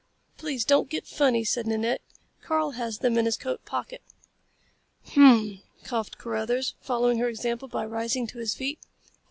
"Please don't get funny," said Nanette. "Karl has them in his coat pocket." "Hum m m!" coughed Carruthers, following her example by rising to his feet.